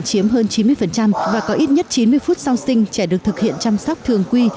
chiếm hơn chín mươi và có ít nhất chín mươi phút sau sinh trẻ được thực hiện chăm sóc thường quy